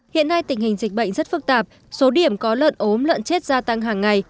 hiện nay tình hình dịch bệnh rất phức tạp số điểm có lợn ốm lợn chết gia tăng hàng ngày